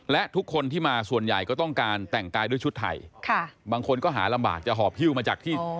และทุกคนที่มาส่วนใหญ่ก็ต้องการแต่งกายด้วยชุดไทยบางคนก็หาลำบากจะหอบฮิ้วมาจากที่